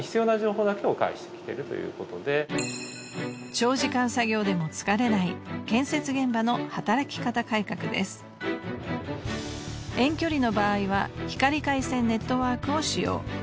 長時間作業でも疲れない遠距離の場合は光回線ネットワークを使用。